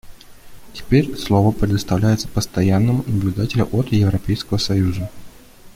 Теперь слово предоставляется Постоянному наблюдателю от Европейского союза.